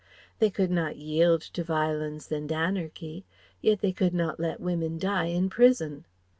They could not yield to violence and anarchy; yet they could not let women die in prison.